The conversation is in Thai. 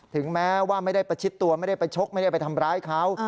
ถึงแม้ว่าไม่ได้ประชิดตัวไม่ได้ไปชกไม่ได้ไปทำร้ายเขา